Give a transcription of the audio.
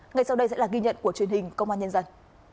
ngay sau đây sẽ là ghi nhận của truyền hình công an nhân dân